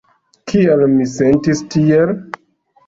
Kial mi sentis tiel?